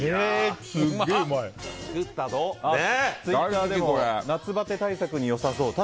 ツイッターでも夏バテ対策に良さそうと。